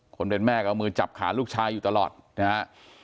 คนเป็นแม่ก็เอามือจับขาลูกชายอยู่ตลอดนะฮะ